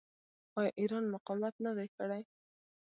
آیا ایران مقاومت نه دی کړی؟